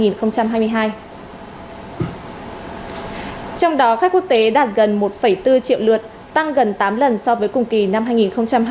trong đó khách quốc tế đạt gần một bốn triệu lượt tăng gần tám lần so với cùng kỳ năm hai nghìn hai mươi hai tổng doanh